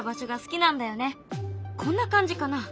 こんな感じかな？